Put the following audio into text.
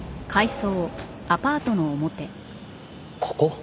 ここ？